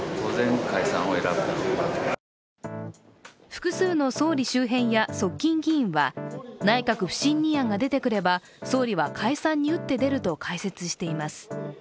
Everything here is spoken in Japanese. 複数の総理周辺や側近議員は内閣不信任案が出てくれば、総理は解散に打って出ると解説しています。